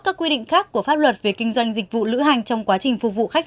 các quy định khác của pháp luật về kinh doanh dịch vụ lữ hành trong quá trình phục vụ khách